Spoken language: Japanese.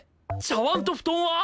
茶わんと布団は？